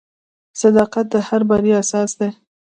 • صداقت د هر بریا اساس دی.